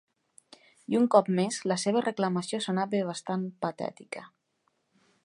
I un cop més, la seva reclamació sonava bastant patètica.